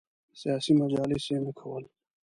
سیاسي مجالس یې نه کول.